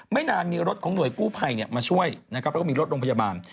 ไม่นานมีรถของหน่วยกู้ภัยมาช่วยนะครับแล้วก็มีรถโรงพยาบาล